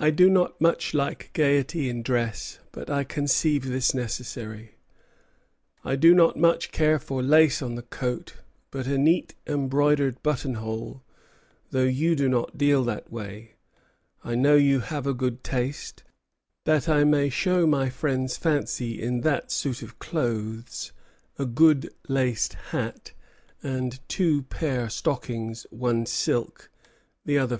I do not much like gayety in dress, but I conceive this necessary. I do not much care for lace on the coat, but a neat embroidered button hole; though you do not deal that way, I know you have a good taste, that I may show my friend's fancy in that suit of clothes; a good laced hat and two pair stockings, one silk, the other fine thread."